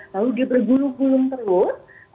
lalu dia bergulung gulung terus